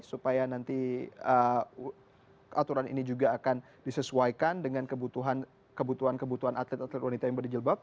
supaya nanti aturan ini juga akan disesuaikan dengan kebutuhan kebutuhan atlet atlet wanita yang berjilbab